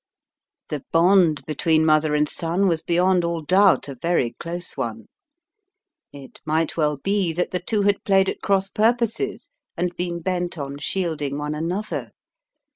The bond between mother and son was beyond all 238 The Riddle of the Purple Emperor doubt a very close one. It might well be that the two had played at cross purposes and been bent on shielding one another.